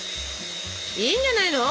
いいんじゃないの？